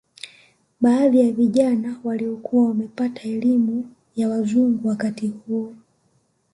Baadhi ya Vijana waliokuwa wamepata elimu ya wazungu wakati huo